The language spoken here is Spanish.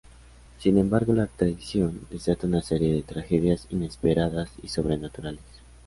Sin embargo, la traición desata una serie de tragedias inesperadas y sobrenaturales.